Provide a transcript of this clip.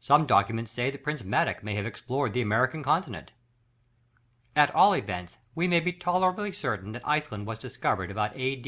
Some documents say that Prince Madoc may have explored the American continent. At all events we may be tolerably certain that Iceland was discovered about A.